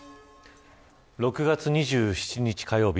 ６月２７日火曜日